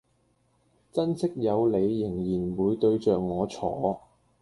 珍惜有你仍然會對著我坐